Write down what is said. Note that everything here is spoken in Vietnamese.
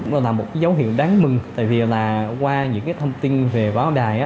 nó là một dấu hiệu đáng mừng tại vì là qua những cái thông tin về báo đài